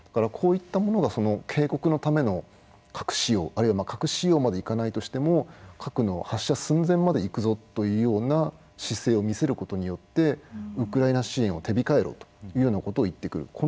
こういったものが警告のための核使用あるいは核使用までいかないとしても核の発射寸前まで行くぞというような姿勢を見せることによってウクライナ支援を手控えろというようなことを言ってくる。